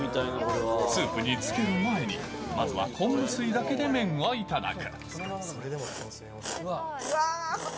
スープにつける前に、まずは昆布水だけで麺を頂く。